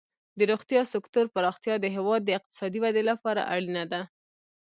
د روغتیا سکتور پراختیا د هیواد د اقتصادي ودې لپاره اړینه ده.